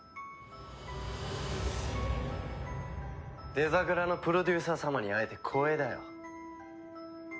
デザグラのプロデューサー様に会えて光栄だよ。